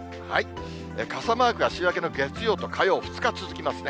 傘マークは週明けの月曜と火曜、２日続きますね。